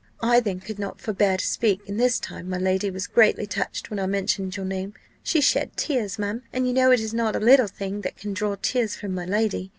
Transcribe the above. I then could not forbear to speak, and this time my lady was greatly touched when I mentioned your name: she shed tears, ma'am; and you know it is not a little thing that can draw tears from my lady.